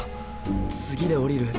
次で降りる？